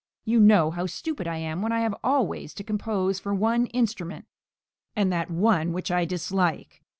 You know how stupid I am when I have always to compose for one instrument (and that one which I dislike).